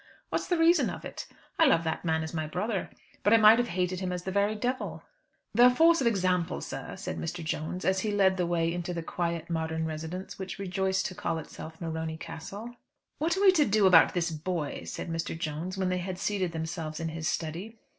What's the reason of it? I love that man as my brother, but I might have hated him as the very devil." "The force of example, sir," said Mr. Jones, as he led the way into the quiet, modern residence which rejoiced to call itself Morony Castle. "What are we to do about this boy?" said Mr. Jones, when they had seated themselves in his study.